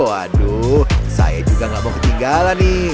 waduh saya juga gak mau ketinggalan nih